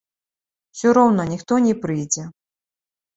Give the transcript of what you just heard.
Усё роўна ніхто не прыйдзе.